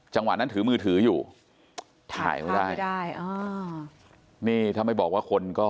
จังหวัดนั้นถือมือถืออยู่ถ่ายไม่ได้ถ่ายไม่ได้นี่ทำไมบอกว่าคนก็